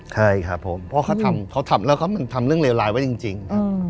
ใช่ครับผมเพราะเขาทำแล้วมันทำเรื่องเลวร้ายไว้จริง